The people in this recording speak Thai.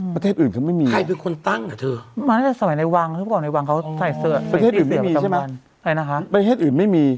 ประเทศอื่นเขาไม่มีอ่ะเพราะว่าในวังเขาใส่เสื้อประจำวันอะไรนะคะประเทศอื่นไม่มี